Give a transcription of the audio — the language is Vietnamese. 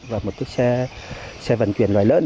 và một chiếc xe vận chuyển loài lớn